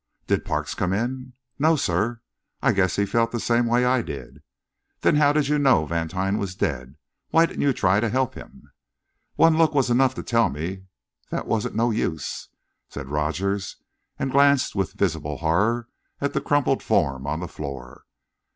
"Did Parks come in?" "No, sir; I guess he felt the same way I did." "Then how did you know Vantine was dead? Why didn't you try to help him?" "One look was enough to tell me that wasn't no use," said Rogers, and glanced, with visible horror, at the crumpled form on the floor.